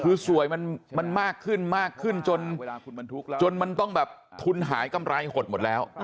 คือสวยมันมากขึ้นมากขึ้นจนมันต้องแบบทุนหายกำไรหดหมดแล้ว